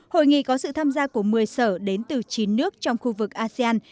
hội nghị có sự tham gia của một mươi sở đến từ chín nước trong khu vực asean